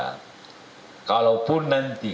kalaupun nanti kalaupun nanti